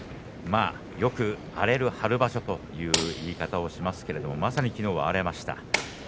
よく、荒れる春場所という言い方をしますけれどまさにきのうは荒れました。